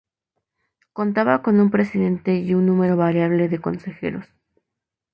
Contaba con un presidente y un número variable de consejeros.